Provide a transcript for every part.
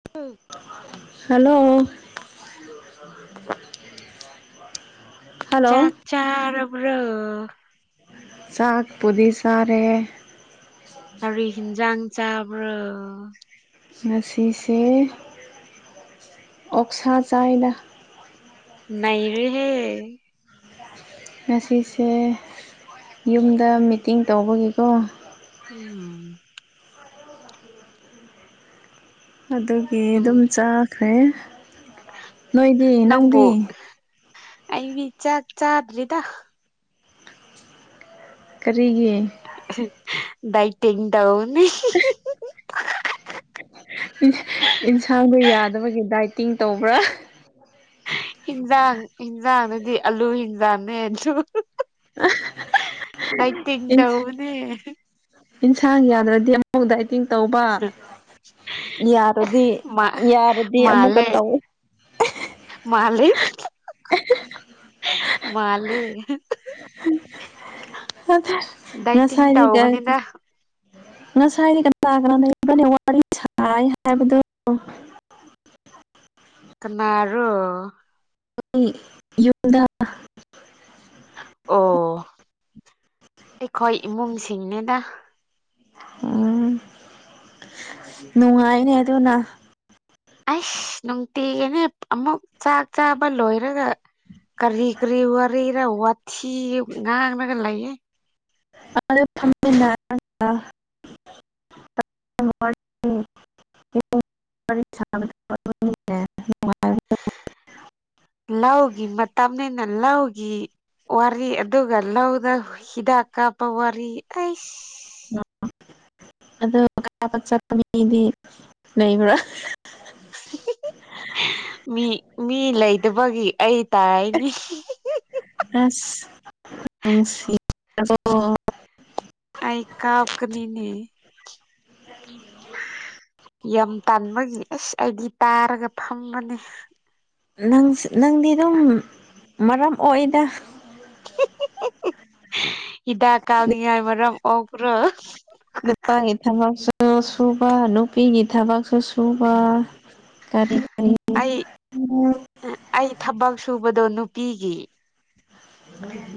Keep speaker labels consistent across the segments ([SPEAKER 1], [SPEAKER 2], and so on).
[SPEAKER 1] [inaudible]
[SPEAKER 2] ꯁꯥꯂꯣ ꯍꯜ
[SPEAKER 1] ꯆꯥꯛ ꯆꯥꯔꯔꯕ꯭ꯔꯣ
[SPEAKER 2] ꯆꯥꯛꯄꯨꯗꯤ ꯆꯥꯔꯦ
[SPEAKER 1] ꯀꯔꯤ ꯍꯤꯟꯖꯥꯡ ꯆꯥꯕ꯭ꯔꯣ
[SPEAKER 2] ꯉꯁꯤꯁꯦ ꯑꯣꯛꯁꯥ ꯆꯥꯏꯗ
[SPEAKER 1] ꯅꯩꯔꯦꯍꯦ
[SPEAKER 2] ꯉꯁꯤꯁꯦ ꯌꯨꯝꯗ ꯃꯤꯇꯤꯡ ꯇꯧꯕꯒꯤꯀꯣ
[SPEAKER 1] ꯎꯝ
[SPEAKER 2] ꯑꯗꯨꯒꯤ ꯑꯗꯨꯝ ꯆꯥꯈ꯭ꯔꯦ ꯅꯣꯏꯗꯤ
[SPEAKER 1] ꯅꯪꯕꯨ
[SPEAKER 2] ꯅꯪꯗꯤ
[SPEAKER 1] ꯑꯩꯗꯤ ꯆꯥꯛ ꯆꯥꯗ꯭ꯔꯤꯗ
[SPEAKER 2] ꯀꯔꯤꯒꯤ
[SPEAKER 1] ꯗꯥꯏꯇꯤꯡ ꯇꯧ
[SPEAKER 2] [inaudible] ꯏꯟ ꯏꯟꯁꯥꯡꯗꯨ ꯌꯥꯗꯕꯒꯤ ꯗꯥꯏꯇꯤꯡ ꯇꯧꯕ꯭ꯔꯥ
[SPEAKER 1] ꯍꯤꯟꯖꯥꯡ ꯍꯤꯟꯖꯥꯡ ꯗꯨꯗꯤ ꯑꯂꯨ ꯍꯤꯟꯖꯥꯡꯅꯦ [unintelligible]
[SPEAKER 2] [unintelligible]
[SPEAKER 1] ꯗꯥꯢꯇꯤꯡ ꯇꯧꯒꯅꯤ
[SPEAKER 2] ꯏꯟꯁꯥꯡ ꯌꯥꯗ꯭ꯔꯗꯤ ꯑꯃꯨꯛ ꯗꯥꯢ ꯇꯤꯡ ꯇꯧꯕ ꯌꯥꯔꯗꯤ
[SPEAKER 1] ꯃꯥ
[SPEAKER 2] ꯌꯥꯔꯗꯤ ꯑꯃꯨꯛꯀ ꯇꯧ
[SPEAKER 1] ꯃꯥꯂꯤ [unintelligible] ꯃꯥꯂꯦ ꯗꯥꯢꯇꯤꯡ
[SPEAKER 2] ꯉꯁꯥꯏꯗꯤ
[SPEAKER 1] ꯇꯧꯕꯅꯤꯅ
[SPEAKER 2] ꯉꯁꯥꯏꯗꯤ ꯀꯅꯥ ꯀꯅꯥ ꯂꯩꯕ꯭ꯔꯅꯤ ꯋꯥꯔꯤ ꯁꯥꯏ ꯍꯥꯏꯕꯗꯣ [inaudible]
[SPEAKER 1] ꯀꯅꯥꯔꯣ
[SPEAKER 2] ꯑꯩ ꯌꯨꯝꯗ
[SPEAKER 1] ꯑꯣ ꯑꯩꯈꯣꯏ ꯏꯃꯨꯡꯁꯤꯡꯅꯤꯗ
[SPEAKER 2] ꯎꯝ ꯅꯨꯡꯉꯥꯏꯅꯦ ꯑꯗꯨꯅ
[SPEAKER 1] ꯑꯁ ꯅꯨꯡꯇꯤꯒꯤꯅꯦ ꯑꯃꯨꯛ ꯆꯥꯛ ꯆꯥꯕ ꯂꯣꯏꯔꯒ ꯀꯔꯤ ꯀꯔꯤ ꯋꯥꯔꯤꯔ ꯋꯥꯊꯤ ꯉꯥꯡꯅꯒ ꯂꯩꯌꯦ
[SPEAKER 2] [unintelligible] ꯎꯝ [unintelligible]
[SPEAKER 1] ꯂꯧꯒꯤ ꯃꯇꯝꯅꯤꯅ ꯂꯧꯒꯤ ꯋꯥꯔꯤ ꯑꯗꯨꯒ ꯂꯧꯗ ꯍꯤꯗꯥꯛ ꯀꯥꯞꯄ ꯋꯥꯔꯤ ꯑꯩꯁ
[SPEAKER 2] ꯑꯗꯣ [unintelligible] ꯑꯩꯗꯤ ꯅꯩꯕ꯭ꯔꯥ
[SPEAKER 1] ꯃꯤ ꯃꯤ ꯂꯩꯇꯕꯒꯤ ꯑꯩ ꯇꯥꯔꯛꯏꯅꯤ
[SPEAKER 2] ꯑꯁ ꯅꯨꯡꯁꯤ ꯑꯣ
[SPEAKER 1] ꯑꯩ ꯀꯥꯞ ꯀꯅꯤꯅꯦ
[SPEAKER 2] [unintelligible]
[SPEAKER 1] ꯌꯥꯝ ꯇꯟꯕꯒꯤ ꯑꯁ ꯑꯩꯗꯤ ꯇꯥꯔꯒ ꯐꯝꯕꯅꯦ
[SPEAKER 2] ꯅꯪ ꯅꯪꯗꯤ ꯑꯗꯨꯝ ꯃꯔꯝ ꯑꯣꯏꯗ
[SPEAKER 1] ꯍꯤꯗꯥꯛ ꯀꯥꯅꯤꯡꯉꯥꯏ ꯃꯔꯝ ꯑꯣꯛ ꯄ꯭ꯔꯣ
[SPEAKER 2] ꯅꯨꯄꯥꯒꯤ ꯊꯕꯛꯁꯨ ꯁꯨꯕ ꯅꯨꯄꯤꯒꯤ ꯊꯕꯛꯁꯨ ꯁꯨꯕꯥ ꯀꯔꯤ ꯀꯔꯤ
[SPEAKER 1] ꯑꯥ ꯑꯩ ꯊꯕꯛ ꯁꯨꯕꯗꯣ ꯅꯨꯄꯤꯒꯤ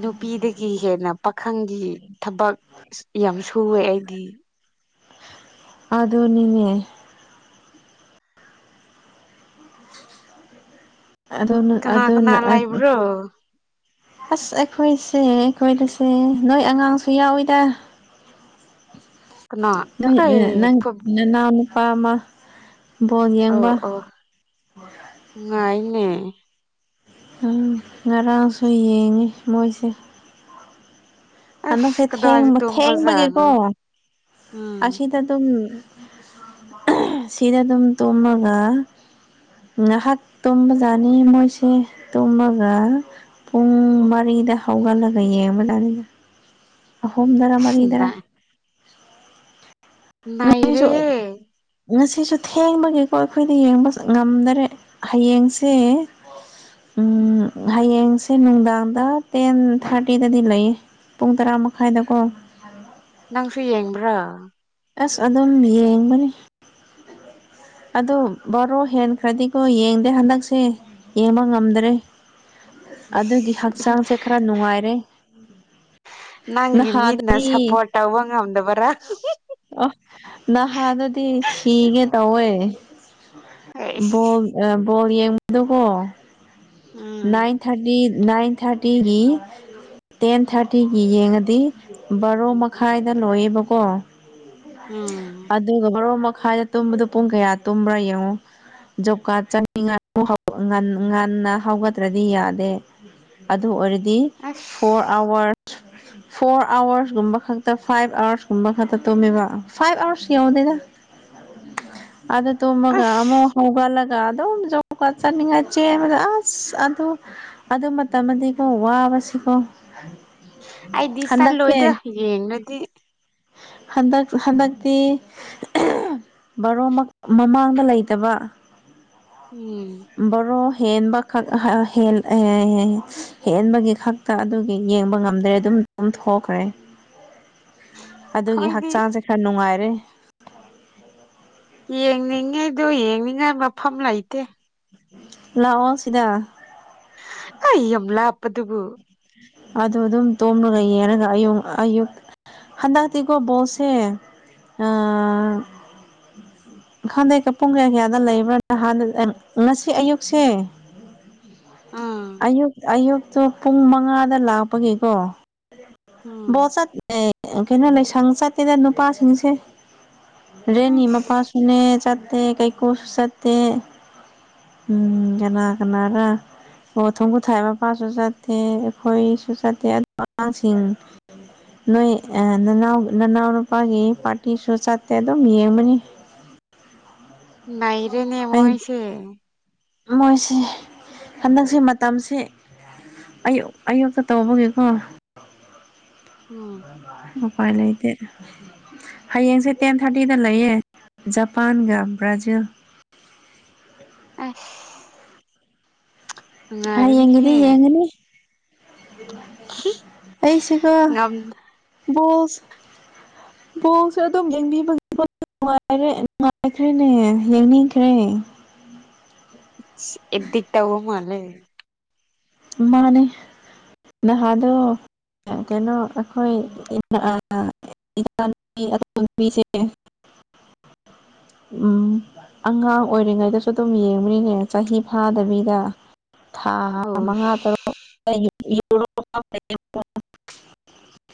[SPEAKER 1] ꯅꯨꯄꯤꯗꯒꯤ ꯍꯦꯟꯅ ꯄꯥꯈꯪꯒꯤ ꯊꯕꯛ ꯌꯥꯝ ꯁꯨꯋꯦ ꯑꯩꯗꯤ
[SPEAKER 2] ꯑꯗꯨꯅꯤꯅꯦ ꯑꯗꯨꯅ
[SPEAKER 1] ꯀꯅꯥ ꯀꯅꯥ
[SPEAKER 2] ꯑꯗꯨꯅ ꯑꯠ ꯑ
[SPEAKER 1] ꯂꯩꯕ꯭ꯔꯣ
[SPEAKER 2] ꯑꯁ ꯑꯩꯈꯣꯏꯁꯦ ꯑꯩꯈꯣꯏꯗꯁꯦ ꯅꯣꯏ ꯑꯉꯥꯡꯁꯨ ꯌꯥꯎꯋꯤꯗ
[SPEAKER 1] ꯀꯅꯥ
[SPEAKER 2] ꯅꯣꯏ ꯑꯥ
[SPEAKER 1] ꯑꯩ
[SPEAKER 2] ꯅꯪ ꯅꯅꯥꯎꯅꯨꯄꯥ ꯑꯃ ꯕꯣꯜ
[SPEAKER 1] ꯑꯣ
[SPEAKER 2] ꯌꯦꯡꯕ
[SPEAKER 1] ꯑꯣ ꯉꯥꯏꯅꯦ
[SPEAKER 2] ꯎꯝ ꯉꯔꯥꯡꯁꯨ ꯌꯦꯡꯉꯤ ꯃꯣꯏꯁꯦ
[SPEAKER 1] ꯑꯁ
[SPEAKER 2] ꯍꯟꯗꯛꯁꯦ
[SPEAKER 1] ꯀꯗꯥꯏꯗ
[SPEAKER 2] ꯊꯦꯡꯕ
[SPEAKER 1] ꯇꯨꯝꯕꯖꯥꯠꯅꯣ
[SPEAKER 2] ꯊꯦꯡꯕꯒꯤꯀꯣ
[SPEAKER 1] ꯎꯝ
[SPEAKER 2] ꯑꯁꯤꯗ ꯑꯗꯨꯝ ꯁꯤꯗ ꯗꯨꯝ ꯇꯨꯝꯃꯒ ꯉꯍꯥꯛ ꯇꯨꯝꯕꯖꯥꯠꯅꯤ ꯃꯣꯏꯁꯦ ꯇꯨꯝꯃꯒ ꯄꯨꯡ ꯃꯔꯤꯗ ꯍꯧꯒꯠꯂꯒ ꯌꯦꯡꯕꯖꯥꯠꯅꯤꯗ ꯑꯍꯨꯝꯗꯥꯔ
[SPEAKER 1] ꯑꯁ
[SPEAKER 2] ꯃꯔꯤꯗꯥꯔ
[SPEAKER 1] ꯅꯥ ꯅꯩꯔꯦꯍꯦ
[SPEAKER 2] [unintelligible] ꯉꯁꯤꯁꯨ ꯊꯦꯡꯕꯒꯤꯀꯣ ꯑꯩꯈꯣꯏꯗ ꯌꯦꯡꯕ ꯉꯝꯗꯔꯦ ꯍꯌꯦꯡꯁꯦ ꯎꯝ ꯍꯌꯦꯡꯁꯦ ꯅꯨꯡꯗꯥꯡꯗ ꯇꯦꯟ ꯊꯥꯔꯇꯤꯗꯗꯤ ꯂꯩꯌꯦ ꯄꯨꯡ ꯇꯔꯥ ꯃꯈꯥꯏꯗꯀꯣ
[SPEAKER 1] ꯅꯪꯁꯨ ꯌꯦꯡꯕ꯭ꯔꯥ
[SPEAKER 2] ꯑꯁ ꯑꯗꯨꯝ ꯌꯦꯡꯕꯅꯤ ꯑꯗꯨ ꯕꯥꯔꯣ ꯍꯦꯟꯈ꯭ꯔꯗꯤꯀꯣ ꯌꯦꯡꯗꯦ ꯍꯟꯗꯛꯁꯦ ꯌꯦꯡꯕ ꯉꯝꯗꯔꯦ ꯑꯗꯨꯒꯤ ꯍꯛꯆꯥꯡꯁꯦ ꯈꯔ ꯅꯨꯡꯉꯥꯏꯔꯦ
[SPEAKER 1] ꯅꯪꯒꯤ ꯃꯤꯅ
[SPEAKER 2] ꯅꯍꯥꯟꯗꯗꯤ
[SPEAKER 1] ꯁꯞꯄꯣꯔꯠ ꯇꯧꯕ ꯉꯝꯗꯕꯔꯥ
[SPEAKER 2] ꯑꯣ ꯅꯍꯥꯗꯗꯤ ꯁꯤꯒꯦ ꯇꯧꯋꯦ
[SPEAKER 1] ꯑꯩꯁ
[SPEAKER 2] ꯕꯣꯜ ꯑ ꯕꯣꯜ ꯌꯦꯡꯕꯗꯀꯣ
[SPEAKER 1] ꯎꯝ
[SPEAKER 2] ꯅꯥꯏꯟ ꯊꯥꯔꯇꯤ ꯅꯥꯏꯟ ꯊꯥꯔꯇꯤꯒꯤ ꯇꯦꯟ ꯊꯥꯔꯇꯤꯒꯤ ꯌꯦꯡꯉꯗꯤ ꯕꯥꯔꯣ ꯃꯈꯥꯏꯗ ꯂꯣꯏꯌꯦꯕꯀꯣ
[SPEAKER 1] ꯎꯝ
[SPEAKER 2] ꯑꯗꯨꯒ ꯕꯥꯔꯣ ꯃꯈꯥꯏꯗꯠ ꯇꯨꯝꯕꯗꯣ ꯄꯨꯡ ꯀꯌꯥ ꯇꯨꯝꯕ꯭ꯔꯥ ꯌꯦꯡꯉꯨ ꯖꯣꯕ ꯀꯥꯔꯗ ꯆꯠꯅꯤꯡꯉꯥꯏ ꯑꯃꯨꯛ ꯍꯧ ꯉꯟ ꯉꯟꯅ ꯍꯧꯒꯠꯇ꯭ꯔꯗꯤ ꯌꯥꯗꯦ ꯑꯗꯨ ꯑꯣꯏꯔꯗꯤ
[SPEAKER 1] ꯑꯁ
[SPEAKER 2] ꯐꯣꯔ ꯑꯥꯋꯔꯁ ꯐꯣꯔ ꯑꯥꯋꯔꯁꯀꯨꯝꯕ ꯈꯛꯇ ꯐꯥꯏꯚ ꯑꯥꯋꯔꯁꯀꯨꯝꯕ ꯈꯛꯇ ꯇꯨꯝꯃꯦꯕ ꯐꯥꯏꯚ ꯑꯥꯋꯔꯁ ꯌꯧꯗꯦꯗ [unintelligible] ꯑꯗꯨ ꯇꯨꯝꯃꯒ ꯑꯃꯨꯛ
[SPEAKER 1] ꯑꯁ
[SPEAKER 2] ꯍꯧꯒꯠꯂꯒ ꯑꯗꯨꯝ ꯖꯣꯕ ꯀꯥꯔꯗ ꯆꯠꯅꯤꯡꯉꯥꯏ ꯆꯦꯟꯕꯗ ꯑꯁ ꯑꯁ ꯑꯗꯨ ꯑꯗꯨ ꯃꯇꯝꯗꯤꯀꯣ ꯋꯥꯕꯁꯤꯀꯣ ꯍꯟꯗꯛꯁꯦ
[SPEAKER 1] ꯌꯦꯡꯅꯗꯤ
[SPEAKER 2] ꯍꯟꯗꯛ ꯍꯟꯗꯛꯇꯤ ꯕꯥꯔꯣꯃꯛ ꯃꯃꯥꯡꯗ ꯂꯩꯇꯕ
[SPEAKER 1] ꯎꯝ
[SPEAKER 2] ꯕꯥꯔꯣ ꯍꯦꯟꯕꯈꯛ [unintelligible] ꯍꯦꯟꯕꯒꯤ ꯈꯛ ꯀꯥ ꯑꯗꯨꯒꯤ ꯌꯦꯡꯕ ꯉꯝꯗ꯭ꯔꯦ ꯑꯗꯨꯝ ꯇꯨꯝꯊꯣꯛꯈ꯭ꯔꯦ ꯑꯗꯨꯒꯤ
[SPEAKER 1] ꯈꯣꯏꯗꯤ
[SPEAKER 2] ꯍꯛꯆꯥꯡꯁꯦ ꯈꯔ ꯅꯨꯡꯉꯥꯏꯔꯦ
[SPEAKER 1] ꯌꯦꯡꯅꯤꯡꯉꯦ ꯗꯨ ꯌꯦꯡꯅꯤꯡꯉꯥꯏ ꯃꯐꯝ ꯂꯩꯇꯦ
[SPEAKER 2] ꯂꯥꯛꯑꯣ ꯁꯤꯗ
[SPEAKER 1] ꯀꯩ ꯌꯥꯝ ꯂꯥꯞꯄꯗꯨꯕꯨ
[SPEAKER 2] ꯑꯗꯨ ꯑꯗꯨꯝ ꯇꯨꯝꯔꯒ ꯌꯦꯡꯔꯒ ꯑꯌꯨꯡ ꯑꯌꯨꯛ ꯍꯥꯟꯗꯛꯇꯤꯀꯣ ꯕꯣꯜꯁꯦ ꯑꯥ ꯈꯪꯗꯦ ꯀ ꯄꯨꯡ ꯀꯌꯥ ꯀꯌꯥꯗ ꯂꯩꯕ꯭ꯔꯥ ꯅꯍꯥꯟꯅ ꯑ ꯉꯁꯤ ꯑꯌꯨꯛꯁꯦ
[SPEAKER 1] ꯑꯥ
[SPEAKER 2] ꯑꯌꯨꯛ ꯑꯌꯨꯛꯇꯣ ꯄꯨꯡ ꯃꯉꯥꯗ ꯂꯥꯛꯄꯒꯤꯀꯣ
[SPEAKER 1] ꯎꯝ
[SPEAKER 2] ꯕꯣꯆꯠ [inaudible] ꯀꯩꯅꯣ ꯂꯩꯁꯪ ꯆꯠꯇꯦꯗ ꯅꯨꯄꯥꯁꯤꯡꯁꯦ
[SPEAKER 1] ꯑꯁ
[SPEAKER 2] ꯔꯦꯅꯤꯃꯄꯥ ꯏꯅꯦ ꯆꯠꯇꯦ ꯀꯩꯀꯨꯁꯨ ꯆꯠꯇꯦ ꯎꯝ ꯀꯅꯥ ꯀꯅꯥꯔꯥ ꯑꯣꯊꯨꯝ ꯄꯊꯥꯏ ꯃꯄꯥꯁꯨ ꯆꯠꯇꯦ ꯑꯩꯈꯣꯏꯁꯨ ꯆꯠꯇꯦ ꯑꯗꯨꯒ ꯑꯉꯥꯡꯁꯤꯡ ꯅꯣꯏ ꯑ ꯅꯅꯥꯎ ꯅꯅꯥꯎ ꯅꯨꯄꯥꯒꯤ ꯄꯥꯔꯇꯤꯁꯨ ꯆꯠꯇꯦ ꯑꯗꯨꯝ ꯌꯦꯡꯕꯅꯤ
[SPEAKER 1] ꯅꯩꯔꯦꯅꯦ ꯃꯣꯏꯁꯦ
[SPEAKER 2] ꯃꯣꯏꯁꯤ ꯍꯟꯗꯛꯁꯦ ꯃꯇꯝꯁꯤ ꯑꯌꯨꯛ ꯑꯌꯨꯛꯇ ꯇꯧꯕꯒꯤꯀꯣ
[SPEAKER 1] ꯎꯝ
[SPEAKER 2] ꯎꯄꯥꯏ ꯂꯩꯇꯦ ꯍꯌꯦꯡꯁꯦ ꯇꯦꯟ ꯊꯥꯔꯇꯤꯗ ꯂꯩꯌꯦ ꯖꯄꯥꯟꯒ ꯕ꯭ꯔꯥꯖꯤꯜ
[SPEAKER 1] ꯑꯦꯁ
[SPEAKER 2] ꯍꯌꯦꯡꯒꯤꯗꯤ
[SPEAKER 1] ꯅꯨꯡꯉꯥꯏꯔꯅꯤꯍꯦ
[SPEAKER 2] ꯌꯦꯡꯉꯅꯤ ꯑꯩꯁꯨꯀꯣ
[SPEAKER 1] ꯉꯝ
[SPEAKER 2] ꯕꯣꯜꯁ ꯕꯣꯜꯁꯦ ꯑꯗꯨꯝ ꯌꯦꯡꯕꯤꯕꯒꯤ ꯅꯨꯪꯉꯥꯏꯔꯦ ꯅꯨꯡꯉꯥꯏꯈ꯭ꯔꯦꯅꯦ ꯌꯦꯡꯅꯤꯡꯈ꯭ꯔꯦ
[SPEAKER 1] ꯑꯦꯗꯤꯛ ꯇꯧꯕ ꯃꯥꯂꯦ
[SPEAKER 2] ꯃꯥꯅꯦ ꯅꯍꯥꯟꯗꯣ ꯀꯩꯅꯣ ꯑꯩꯈꯣꯏ [inaudible] [unintelligible] ꯎꯝ ꯑꯉꯥꯡ ꯑꯣꯏꯔꯤꯉꯩꯗꯁꯨ ꯑꯗꯨꯝ ꯌꯦꯡꯕꯅꯤꯅꯦ ꯆꯍꯤ ꯐꯥꯗꯕꯤꯗ ꯊꯥ
[SPEAKER 1] ꯑꯧ
[SPEAKER 2] ꯃꯉꯥ ꯇꯔꯨꯛ [unintelligible]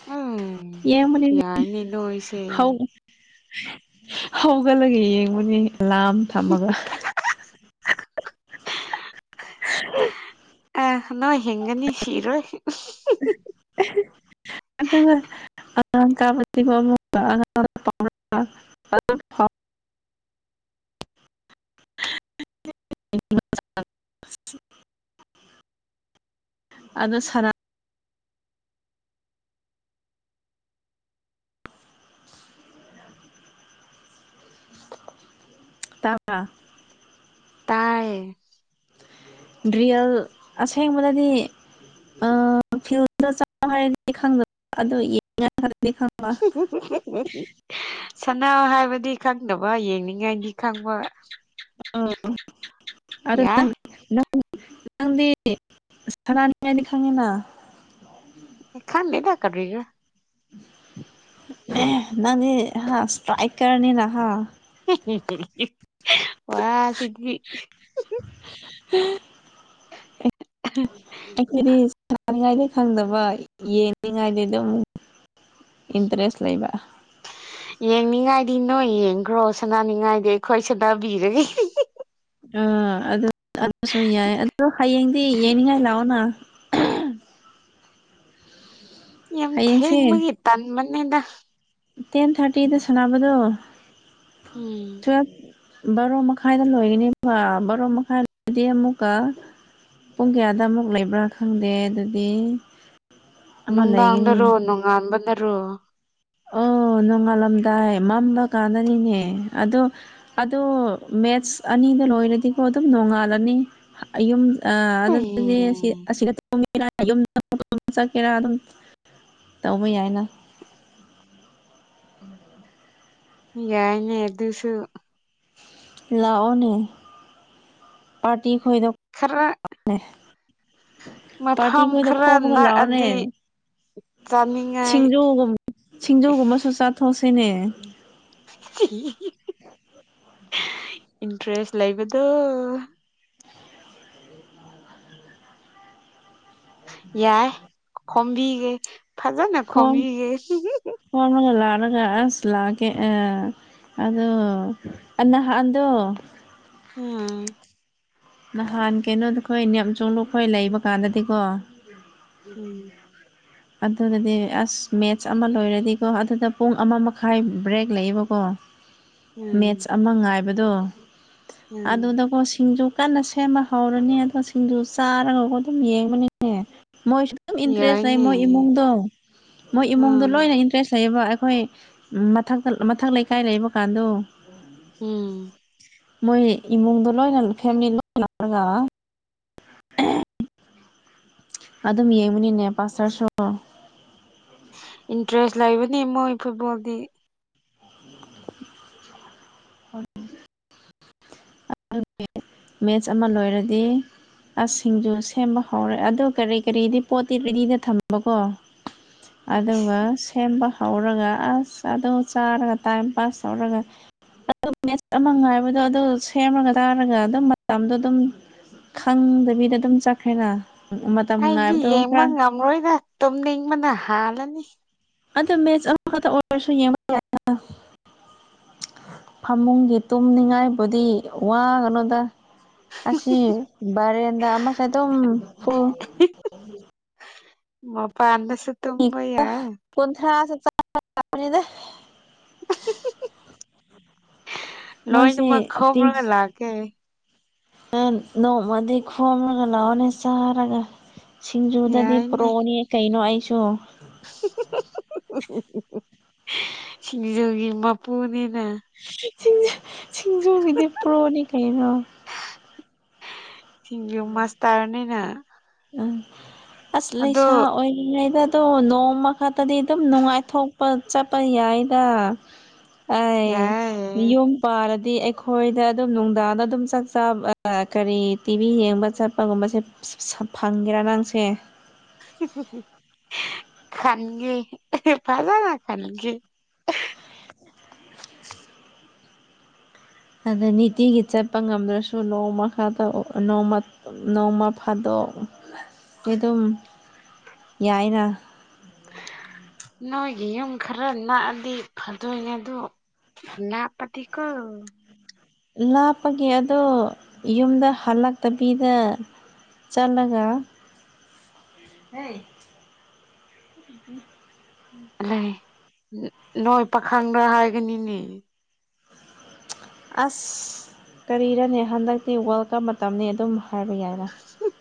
[SPEAKER 1] ꯎꯝ
[SPEAKER 2] ꯌꯦꯡꯕꯗꯤ
[SPEAKER 1] ꯌꯥꯏꯅꯦ ꯅꯣꯏꯁꯦ
[SPEAKER 2] ꯍꯧ [inaudible] ꯍꯧꯒꯠꯂꯒ ꯌꯦꯡꯕꯅꯤ ꯑꯦꯂꯥꯔꯝ ꯊꯝꯃꯒ [inaudible]
[SPEAKER 1] ꯑꯥ ꯅꯣꯏ ꯍꯤꯡꯒꯅꯤ ꯁꯤꯔꯣꯏ
[SPEAKER 2] ꯑꯗꯨꯒ ꯑꯉꯥꯡ ꯀꯥꯕ [unintelligible] ꯑꯉꯥꯡ ꯑꯗꯨ [unintelligible] [unintelligible] ꯑꯗꯨ ꯁꯅꯥ ꯇꯥꯕꯔ꯭ꯥ
[SPEAKER 1] ꯇꯥꯏ
[SPEAKER 2] ꯗ꯭ꯔꯤꯌꯦꯜ ꯑꯁꯦꯡꯕꯗꯗꯤ ꯑꯥ ꯐꯤꯜꯗ ꯆ ꯍꯥꯏꯔꯒꯗꯤ ꯈꯪꯗꯕ ꯑꯗꯨ [unintelligible] ꯌꯥ [unintelligible] ꯈꯔꯗꯤ ꯈꯪꯕ
[SPEAKER 1] ꯁꯅꯥꯎ ꯍꯥꯏꯕꯗꯤ ꯈꯪꯅꯕ ꯌꯦꯡꯅꯤꯡꯉꯥꯏꯒꯤ ꯈꯪꯕ
[SPEAKER 2] ꯎꯝ ꯑꯗꯣ
[SPEAKER 1] ꯌꯥꯏ
[SPEAKER 2] ꯅꯡ ꯅꯡ ꯅꯪꯗꯤ ꯁꯅꯥꯅꯤꯉꯥꯏꯗꯤ ꯈꯪꯉꯤꯅ
[SPEAKER 1] ꯈꯪꯗꯦꯗ ꯀꯔꯤꯔꯥ
[SPEAKER 2] ꯅꯪꯗꯤ ꯍꯥ ꯁꯇ꯭ꯔꯥꯏꯀꯔꯅꯤꯅ ꯍꯥ
[SPEAKER 1] ꯋꯥ ꯁꯤꯗꯤ [inaudible]
[SPEAKER 2] ꯑꯩꯈꯣꯏꯗꯤ ꯁꯥꯅꯤꯡꯉꯥꯏꯗꯤ ꯈꯪꯗꯕ ꯌꯦꯡꯅꯤꯡꯉꯥꯏꯗꯤ ꯗꯨꯝ ꯏꯟꯇꯔꯦꯁ ꯂꯩꯕ
[SPEAKER 1] ꯌꯦꯡꯅꯤꯡꯉꯥꯏꯗꯤ ꯅꯣꯏ ꯌꯦꯡꯈ꯭ꯔꯣ ꯁꯥꯅꯅꯤꯡꯉꯥꯏꯗꯤ ꯑꯩꯈꯣꯏ ꯁꯅꯥꯕꯤꯔꯒꯦ
[SPEAKER 2] ꯑꯥ ꯑꯗꯨ ꯑꯗꯨꯁꯨ ꯌꯥꯏ ꯑꯗꯨ ꯍꯌꯦꯡꯗꯤ ꯌꯦꯡꯅꯤꯡꯉꯥꯏ ꯂꯥꯛꯑꯣꯅ
[SPEAKER 1] ꯌꯥꯝ
[SPEAKER 2] ꯍꯌꯦꯡꯁꯦ
[SPEAKER 1] ꯊꯦꯡꯕꯒꯤ ꯇꯟꯕꯅꯤꯗ
[SPEAKER 2] ꯇꯦꯟ ꯊꯥꯔꯇꯤꯗ ꯁꯥꯟꯅꯕꯗꯣ
[SPEAKER 1] ꯎꯝ
[SPEAKER 2] ꯇꯨꯌꯦꯜꯐ ꯕꯥꯔꯣ ꯃꯈꯥꯏꯗ ꯂꯣꯏꯒꯅꯤꯗꯅ ꯕꯥꯔꯣ ꯃꯈꯥꯏꯗꯤ ꯑꯃꯨꯛꯀ ꯄꯨꯡ ꯀꯌꯥꯗ ꯑꯃꯨꯛ ꯂꯩꯕ꯭ꯔꯥ ꯈꯪꯗꯦ ꯑꯗꯨꯗꯤ ꯑꯃ ꯂꯩꯒꯅꯤ
[SPEAKER 1] ꯅꯨꯡꯗꯥꯡꯗꯔꯣ ꯅꯨꯡꯉꯥꯟꯕꯗꯔꯣ
[SPEAKER 2] ꯑꯣ ꯅꯣꯡꯉꯥꯜꯂꯝꯗꯥꯏ ꯃꯝꯕ ꯀꯥꯟꯗꯅꯤꯅꯦ ꯑꯗꯣ ꯑꯗꯣ ꯃꯦꯠꯁ ꯑꯅꯤꯗ ꯂꯣꯏꯔꯗꯤꯀꯣ ꯑꯗꯨꯝ ꯅꯣꯡꯉꯥꯜꯂꯅꯤ ꯑ ꯌꯨꯝ ꯑ [unintelligible]
[SPEAKER 1] ꯑꯩ
[SPEAKER 2] [unintelligible] ꯑꯗꯨꯝ ꯇꯧꯕ ꯌꯥꯏꯅ ꯎꯝ
[SPEAKER 1] ꯌꯥꯏꯅꯦ ꯑꯗꯨꯁꯨ
[SPEAKER 2] ꯂꯥꯛꯑꯣꯅꯦ ꯄꯥꯔꯇꯤ ꯈꯣꯏꯗꯣ
[SPEAKER 1] ꯈꯔ
[SPEAKER 2] [unintelligible] ꯄꯥꯔꯇꯤ
[SPEAKER 1] ꯃꯐꯝ
[SPEAKER 2] ꯈꯣꯏꯗꯣ
[SPEAKER 1] ꯈꯔ
[SPEAKER 2] ꯈꯣꯝꯃꯒ ꯂꯥꯛꯑꯣꯅꯦ
[SPEAKER 1] ꯅꯛꯑꯗꯤ ꯆꯥꯅꯤꯡꯉꯥꯏ
[SPEAKER 2] ꯁꯤꯡꯖꯨꯒꯨꯝ ꯁꯤꯡꯖꯨꯒꯨꯝꯕꯁꯨ ꯆꯥꯊꯣꯛꯁꯤꯅꯦ
[SPEAKER 1] ꯏꯟꯇꯔꯦꯁ ꯂꯩꯕꯗꯣ ꯌꯥꯏ ꯈꯣꯝꯕꯤꯒꯦ ꯐꯖꯅ ꯈꯣꯝꯕꯤꯒꯦ
[SPEAKER 2] ꯐꯔꯒ ꯂꯥꯛꯔꯒ ꯑꯁ ꯂꯥꯛꯀꯦ ꯑ ꯑꯗꯣ ꯑ ꯅꯍꯥꯟꯗꯣ
[SPEAKER 1] ꯎꯝ
[SPEAKER 2] ꯅꯍꯥꯟ ꯀꯩꯅꯣꯗꯣ ꯑꯩꯈꯣꯏ ꯅꯦꯝ ꯆꯣꯡꯂꯣꯛꯈꯣꯏ ꯂꯩꯕ ꯀꯥꯟꯗꯗꯤꯀꯣ
[SPEAKER 1] ꯎꯝ
[SPEAKER 2] [inaudible] ꯑꯗꯨꯗꯗꯤ ꯑꯁ ꯃꯦꯠꯁ ꯑꯃ ꯂꯣꯏꯔꯗꯤꯀꯣ ꯑꯗꯨꯗ ꯄꯨꯡ ꯑꯃ ꯃꯈꯥꯏ ꯕ꯭ꯔꯦꯛ ꯂꯩꯌꯦꯕꯀꯣ ꯃꯦꯠꯆ
[SPEAKER 1] ꯎꯝ
[SPEAKER 2] ꯑꯃ ꯉꯥꯏꯕꯗꯣ
[SPEAKER 1] ꯎꯝ
[SPEAKER 2] ꯑꯗꯨꯗꯀꯣ ꯁꯤꯡꯖꯨ ꯀꯟꯅ ꯁꯦꯝꯕ ꯍꯧꯔꯅꯤ ꯑꯗꯣ ꯁꯤꯡꯖꯨ ꯆꯥꯔꯒ ꯑꯗꯨꯝ ꯌꯦꯡꯒꯅꯤ ꯃꯣꯏꯁꯨ ꯑꯗꯨꯝ ꯏꯟꯇꯔꯦꯁ ꯂꯩ
[SPEAKER 1] ꯌꯥꯏꯅꯦ
[SPEAKER 2] ꯃꯣꯏ ꯏꯃꯨꯡꯗꯣ ꯃꯣꯏ ꯏꯃꯨꯡꯗꯣ
[SPEAKER 1] ꯎꯝ
[SPEAKER 2] ꯂꯣꯏꯅ ꯏꯁꯇ꯭ꯔꯦꯁ ꯂꯩꯌꯦꯕ ꯑꯩꯈꯣꯏ ꯃꯊꯛꯇ ꯃꯊꯛ ꯂꯩꯀꯥꯏ ꯂꯩꯕ ꯀꯥꯟꯗꯣ
[SPEAKER 1] ꯎꯝ
[SPEAKER 2] ꯃꯣꯏ ꯏꯃꯨꯡꯗꯣ ꯂꯣꯏꯅ ꯐꯦꯃꯤꯂꯤ ꯂꯣꯏ ꯂꯥꯛꯂꯒ ꯑꯗꯨꯝ ꯌꯦꯡꯕꯅꯤꯅꯦ ꯄꯥꯁꯇꯔꯁꯨ
[SPEAKER 1] ꯏꯟꯇꯔꯦꯁ ꯂꯩꯕꯅꯤ ꯃꯣꯏ ꯐꯨꯠꯕꯣꯜꯗꯤ
[SPEAKER 2] [unintelligible] [unintelligible] ꯃꯦꯠꯆ ꯑꯃ ꯂꯣꯏꯔꯗꯤ ꯑꯁ ꯁꯤꯡꯖꯨ ꯁꯦꯝꯕ ꯍꯧꯔꯦ ꯑꯗꯨ ꯀꯔꯤ ꯀꯔꯤꯗꯤ ꯄꯣꯠꯇꯤ ꯔꯦꯗꯤꯗ ꯊꯝꯕꯀꯣ ꯑꯗꯨꯒ ꯁꯦꯝꯕ ꯍꯧꯔꯒ ꯑꯁ ꯑꯗꯨ ꯆꯥꯔꯒ ꯇꯥꯏꯝ ꯄꯥꯁ ꯔꯒ ꯑꯗꯨ ꯃꯦꯠꯆ ꯑꯃ ꯉꯥꯏꯕꯗꯣ ꯑꯗꯨ ꯁꯦꯝꯃꯒ ꯆꯥꯔꯒ ꯑꯗꯨꯝ ꯃꯇꯝꯗꯣ ꯑꯗꯨꯝ ꯈꯪꯗꯕꯤꯗ ꯑꯗꯨꯝ ꯆꯠꯈ꯭ꯔꯦꯅ ꯎꯝ ꯃꯇꯝ ꯉꯥꯏꯕꯗꯣ [unintelligible]
[SPEAKER 1] ꯃꯣꯏꯅ ꯇꯨꯝꯅꯤꯡꯕꯅ ꯍꯥꯜꯂꯅꯤ
[SPEAKER 2] ꯑꯗꯣ ꯃꯦꯁ ꯑꯃꯈꯛꯇ ꯑꯣꯏꯔꯁꯨ ꯌꯦꯡꯕ [unintelligible] ꯐꯃꯨꯡꯒꯤ ꯇꯨꯝꯅꯤꯡꯉꯥꯏꯕꯨꯗꯤ ꯋꯥꯒꯅꯨꯗ ꯑꯁꯤ ꯕꯔꯦꯟꯗ ꯑꯃꯁꯨ ꯑꯗꯨꯝ ꯐꯨꯜ
[SPEAKER 1] ꯃꯄꯥꯟ ꯗꯁꯨ
[SPEAKER 2] [unintelligible]
[SPEAKER 1] [unintelligible]
[SPEAKER 2] ꯃꯣꯏꯁꯦ
[SPEAKER 1] ꯂꯣꯏꯅꯃꯛ ꯈꯣꯝꯔꯒ ꯂꯥꯛꯀꯦ
[SPEAKER 2] ꯅꯪ ꯅꯣꯡꯃꯗꯤ ꯈꯣꯝꯂꯒ ꯂꯥꯛꯑꯣꯅꯦ ꯆꯥꯔꯒ ꯁꯤꯡꯖꯨꯗꯗꯤ
[SPEAKER 1] ꯌꯥꯏꯅꯦ
[SPEAKER 2] ꯄ꯭ꯔꯣꯅꯤ ꯀꯩꯅꯣ ꯑꯩꯁꯨ
[SPEAKER 1] [unintelligible] ꯁꯤꯡꯖꯨꯒꯤ ꯃꯄꯨꯅꯤꯅ
[SPEAKER 2] [unintelligible] ꯁꯤꯡꯖꯨ ꯁꯤꯡꯖꯨꯒꯤꯗꯤ ꯄ꯭ꯔꯣꯅꯤ ꯀꯩꯅꯣ
[SPEAKER 1] ꯁꯤꯡꯖꯨ ꯃꯥꯁꯇꯔꯅꯤꯅ
[SPEAKER 2] ꯎꯝ ꯑꯁ
[SPEAKER 1] ꯑꯗꯣ
[SPEAKER 2] ꯂꯩꯁꯥ ꯑꯣꯏꯔꯤꯉꯩꯗ ꯇꯣ ꯅꯣꯡꯃ ꯈꯛꯇꯗꯤ ꯑꯗꯨꯝ ꯅꯨꯡꯉꯥꯏꯊꯣꯛꯄ ꯆꯠꯄ ꯌꯥꯏꯗ ꯑꯩ
[SPEAKER 1] ꯌꯥꯏ
[SPEAKER 2] ꯌꯨꯝ ꯄꯥꯔꯗꯤ ꯑꯩꯈꯣꯏꯗ ꯑꯗꯨꯝ ꯅꯨꯡꯗꯥꯡꯗ ꯑꯗꯨꯝ ꯆꯥꯛ ꯆꯥꯕ ꯀꯔꯤ ꯇꯤꯚꯤ ꯌꯦꯡꯕ ꯆꯠ ꯀꯒꯨꯝꯕꯁꯦ ꯐꯪꯒꯦꯔ ꯅꯪꯁꯦ
[SPEAKER 1] ꯈꯪꯉꯦ ꯐꯖꯅ ꯈꯪꯉꯦ
[SPEAKER 2] ꯑꯗ ꯅꯤꯇꯤꯒꯤ ꯆꯠꯄ ꯉꯝꯗ꯭ꯔꯁꯨ ꯅꯣꯡꯃꯥ ꯈꯛꯇ ꯑꯥ ꯅꯣꯡꯃ ꯅꯣꯡꯃ ꯐꯥꯗꯣꯛꯇꯤ ꯑꯗꯨꯝ ꯌꯥꯏꯅ
[SPEAKER 1] ꯅꯣꯏꯒꯤ ꯌꯨꯝ ꯈꯔ ꯅꯛꯑꯗꯤ ꯐꯗꯣꯏꯅꯦ ꯑꯗꯨ ꯂꯥꯄꯇꯤꯀꯣ
[SPEAKER 2] ꯂꯥꯞꯄꯒꯤ ꯑꯗꯣ ꯌꯨꯝꯗ ꯍꯜꯂꯛꯇꯕꯤꯗ ꯆꯥꯂꯒ ꯎꯝ
[SPEAKER 1] ꯂꯩ ꯅꯣꯏ ꯄꯥꯈꯪꯗ ꯍꯥꯏꯒꯅꯤꯅꯦ
[SPEAKER 2] ꯑꯁ ꯀꯔꯤꯔꯅꯦ ꯍꯟꯗꯛꯇꯤ ꯋꯥꯜ ꯀꯞ ꯃꯇꯝꯅꯤ ꯑꯗꯨꯝ ꯍꯥꯏꯕ ꯌꯥꯏꯔ